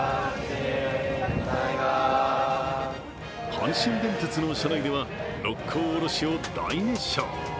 阪神電鉄の車内では「六甲おろし」を大熱唱。